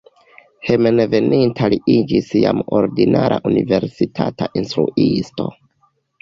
Hejmenveninta li iĝis jam ordinara universitata instruisto.